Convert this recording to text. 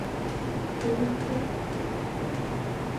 জেলার প্রধান শস্য ধান, পাট, গম, আখ।